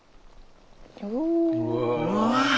うわ！